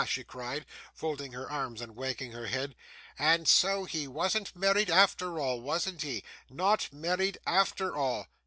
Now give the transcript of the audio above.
she cried, folding her arms and wagging her head; 'and so he wasn't married after all, wasn't he. Not married after all?